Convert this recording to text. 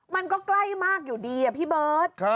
มันก็ใกล้มากอยู่ดีอะพี่เบิร์ต